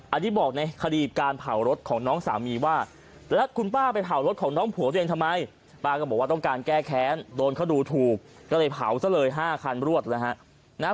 อันนี้บอกในคดีการเผารถของน้องสามีว่าแล้วคุณป้าไปเผารถของน้องผัวตัวเองทำไมป้าก็บอกว่าต้องการแก้แค้นโดนเขาดูถูกก็เลยเผาซะเลย๕คันรวดนะฮะ